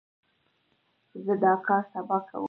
زه دا کار سبا کوم.